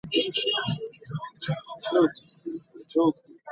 He is a leading figure in the field of harmonic analysis.